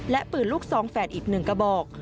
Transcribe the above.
และปืนลูกสองแฝดอีกหนึ่งกระบอก